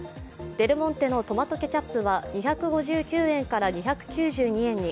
デルモンテのトマトケチャップは２５９円から２９２円に